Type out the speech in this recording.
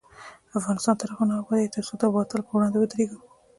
افغانستان تر هغو نه ابادیږي، ترڅو د باطل پر وړاندې ودریږو.